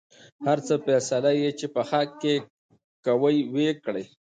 هر څه فيصله يې چې په حق کې کوۍ وېې کړۍ.